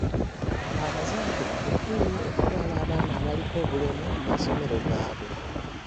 Abazadde mufeeyo okutwala abaana abaliko obulemu mu masomero gabwe.